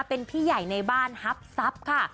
เป็นพี่ใหญ่ในบ้านฮับทรัพย์ค่ะ